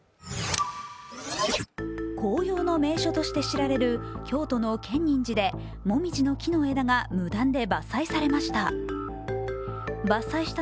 紅葉の名所として知られる京都の建仁寺でもみじの木の枝が無断で伐採されました。